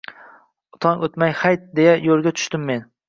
Tong otmay «hayt», deya yo’lga tushdim men